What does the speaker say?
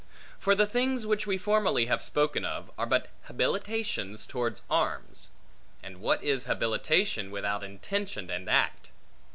For the things which we formerly have spoken of, are but habilitations towards arms; and what is habilitation without intention and act?